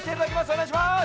おねがいします！